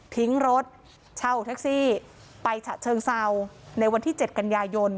ทิ้งรถเช่าแท็กซี่ไปฉะเชิงเศร้าในวันที่๗กันยายน